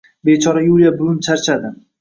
Bechora Yuliya buvim charchadi.